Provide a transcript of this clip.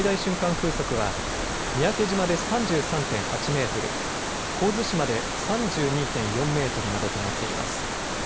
風速は三宅島で３３．８メートル、神津島で３２．４メートルなどとなっています。